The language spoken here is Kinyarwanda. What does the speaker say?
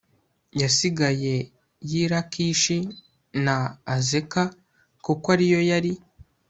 yasigaye y i lakishi na azeka kuko ari yo yari